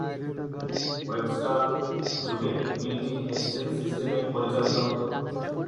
Webster যুগে মিলটি exchange সিস্টেমে পরিচালিত হতো।